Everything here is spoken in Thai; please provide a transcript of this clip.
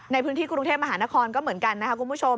ในพื้นที่กรุงเทพมหานครก็เหมือนกันนะคะคุณผู้ชม